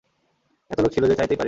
এতো লোক ছিল যে, চাইতেই পারি নি।